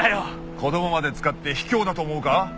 子供まで使って卑怯だと思うか？